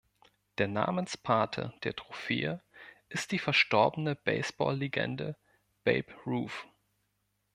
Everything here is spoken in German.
Der Namenspate der Trophäe ist die verstorbene Baseball-Legende Babe Ruth.